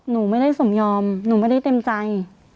หนูไม่ได้สมยอมหนูไม่ได้เต็มใจ